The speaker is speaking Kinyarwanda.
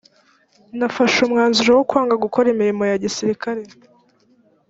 nafashe umwanzuro wo kwanga gukora imirimo ya gisirikare